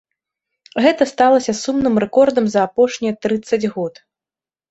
Гэта сталася сумным рэкордам за апошнія трыццаць год.